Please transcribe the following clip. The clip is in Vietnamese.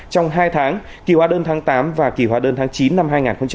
trong hai tháng kỳ hóa đơn tháng tám và kỳ hóa đơn tháng chín năm hai nghìn một mươi chín